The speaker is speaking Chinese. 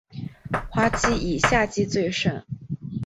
花期以夏季最盛。